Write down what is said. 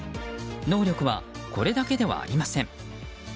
能力はこれだけではありません。